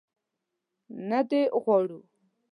نه دې غواړو.